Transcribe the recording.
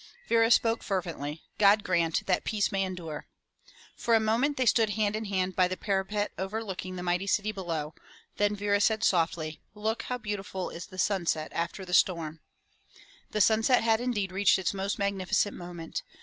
Vera spoke fervently. "God grant that peace may endure." For a moment they stood hand in hand by the parapet over looking the mighty city below, then Vera said softly, *'Look how beautiful is the sunset after the storm." The sunset had indeed reached its most magnificent moment.